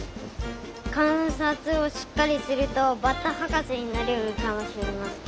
かんさつをしっかりするとバッタはかせになれるかもしれません。